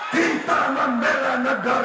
kita membelah negara